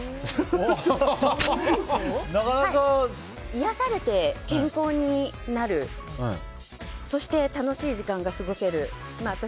癒やされて健康になるそして楽しい時間が過ごせる。